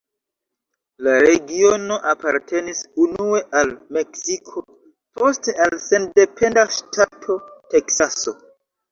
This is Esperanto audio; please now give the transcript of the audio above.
La regiono apartenis unue al Meksiko, poste al sendependa ŝtato Teksaso.